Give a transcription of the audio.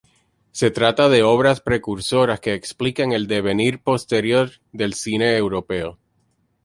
Se trata de obras precursoras que explican el devenir posterior del cine europeo.